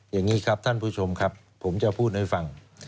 อย่างนี้ครับท่านผู้ชมครับผมจะพูดให้ฟัง